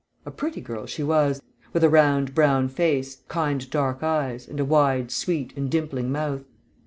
A pretty girl she was, with a round brown face, kind dark eyes, and a wide, sweet, and dimpling mouth.